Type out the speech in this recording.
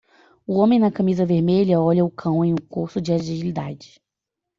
O homem na camisa vermelha olha o cão em um curso da agilidade.